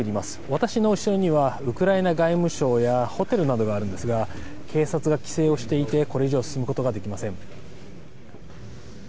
私の後ろにはウクライナ外務省やホテルなどがあるんですが警察が規制をしていてこれ以上進むことができません。